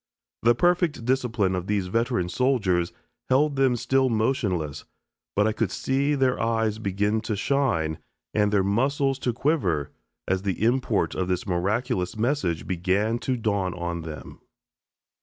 The perfect discipline of these veteran soldiers held them still motionless, but I could see their eyes begin to shine and their muscles to quiver as the import of this miraculous message began to dawn on them.